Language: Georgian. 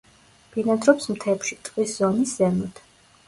ბინადრობს მთებში, ტყის ზონის ზემოთ.